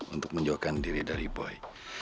untuk menjualkan diri dari boy